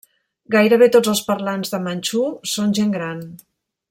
Gairebé tots els parlants de manxú són gent gran.